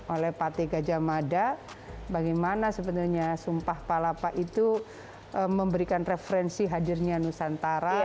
oleh pt gajah mada bagaimana sebenarnya sumpah palapa itu memberikan referensi hadirnya nusantara